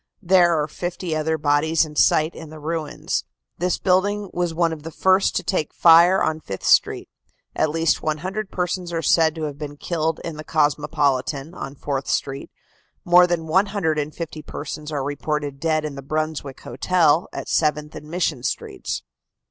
There are fifty other bodies in sight in the ruins. This building was one of the first to take fire on Fifth Street. At least 100 persons are said to have been killed in the Cosmopolitan, on Fourth Street. More than 150 persons are reported dead in the Brunswick Hotel, at Seventh and Mission Streets."